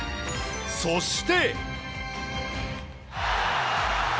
そして。